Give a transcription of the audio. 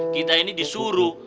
kita ini disuruh